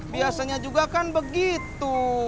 biasanya juga kan begitu